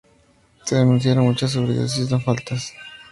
Se denunciaron muchas sobredosis no fatales.